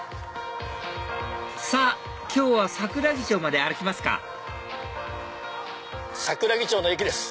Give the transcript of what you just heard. さぁ今日は桜木町まで歩きますか桜木町の駅です。